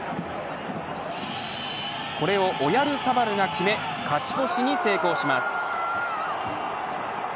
これをオヤルサバルが決め勝ち越しに成功します。